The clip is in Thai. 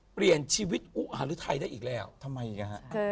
เปลี่ยนชีวิตอุอหารธรรมิยาไทยได้อีกแล้วทำไมกันฮะ